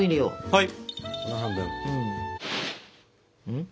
はい。